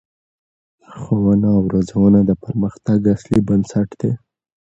ښوونه او روزنه د پرمختګ اصلي بنسټ دی